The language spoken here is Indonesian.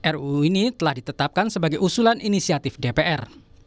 ruu ini telah ditetapkan sebagai usulan inisiatif dpr